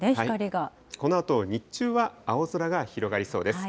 このあと、日中は青空が広がりそうです。